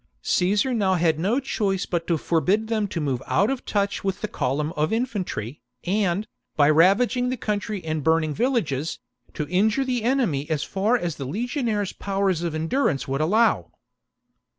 Caesar had now no choice but to forbid them to move out of touch with the column of infantry, and, by ravaging the country and burning villages, to injure the enemy as far as the legionaries' powers of endurance would allow.